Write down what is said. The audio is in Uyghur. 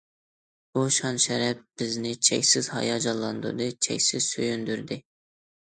بۇ شان- شەرەپ بىزنى چەكسىز ھاياجانلاندۇردى، چەكسىز سۆيۈندۈردى.